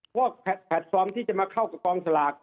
พวกแผดสองที่จะมาเข้ากับกองสลาก